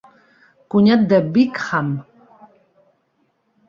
Cunyat de Wickham!